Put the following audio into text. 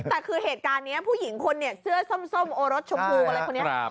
แต่คือเหตุการณ์นี้ผู้หญิงคนเนี่ยเสื้อส้มโอรสชมพูอะไรคนนี้